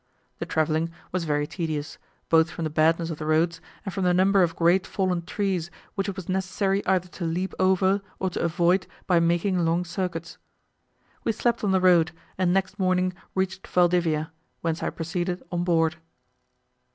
The travelling was very tedious, both from the badness of the roads, and from the number of great fallen trees, which it was necessary either to leap over or to avoid by making long circuits. We slept on the road, and next morning reached Valdivia, whence I proceeded on board.